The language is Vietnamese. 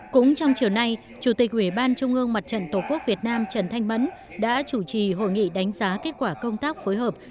cũng trong chiều nay chủ tịch ủy ban trung ương mặt trận tổ quốc việt nam trần thanh mẫn đã chủ trì hội nghị đánh giá kết quả công tác phối hợp